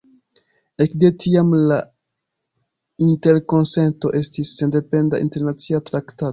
Ekde tiam la Interkonsento estis sendependa internacia traktato.